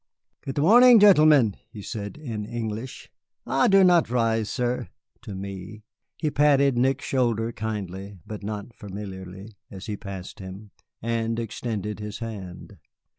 "Good morning, gentlemen," he said in English; "ha, do not rise, sir" (to me). He patted Nick's shoulder kindly, but not familiarly, as he passed him, and extended his hand.